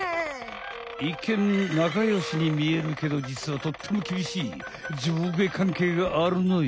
いっけんなかよしにみえるけどじつはとってもきびしい上下かんけいがあるのよ。